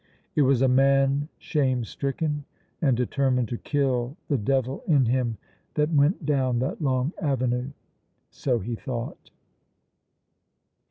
It was a man shame stricken and determined to kill the devil in him that went down that long avenue so he thought.